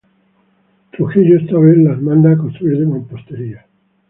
Trujillo esta vez las manda a construir de mampostería.